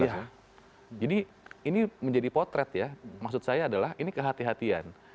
iya jadi ini menjadi potret ya maksud saya adalah ini kehatian